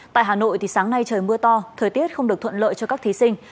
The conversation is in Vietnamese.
tại hà nội thì sáng nay trời mưa to thời tiết không được thuận lợi cho các thí sinh